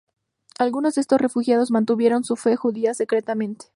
Algunos de esos refugiados mantuvieron su fe judía secretamente.